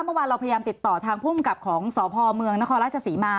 เมื่อวานเราพยายามติดต่อทางพ่วงกับของสพเยางค์นจนกรทรศสีมา